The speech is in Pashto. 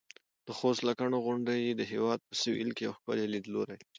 د خوست د لکڼو غونډۍ د هېواد په سویل کې یو ښکلی لیدلوری لري.